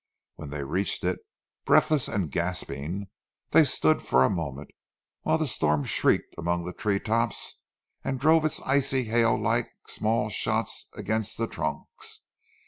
When they reached it, breathless and gasping, they stood for a moment, whilst the storm shrieked among the tree tops and drove its icy hail like small shot against the trunks.